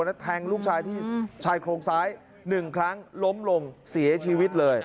แล้วแทงลูกชายที่ชายโครงซ้าย๑ครั้งล้มลงเสียชีวิตเลย